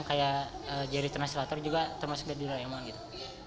kayak jerit transulator juga termasuk dari doraemon gitu